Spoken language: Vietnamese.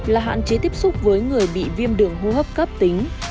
là hạn chế tiếp xúc với người bị viêm đựng hô hấp cáp tính